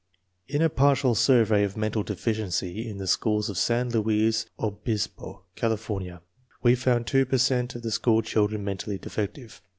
In a partial survey of mental deficiency in the schools of San Luis Obispo, California, we found two per cent of the school children mentally defective.